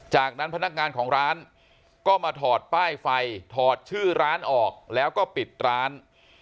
จากนั้นพนักงานของร้านก็มาถอดป้ายไฟถอดชื่อร้านออกแล้วก็ปิดร้าน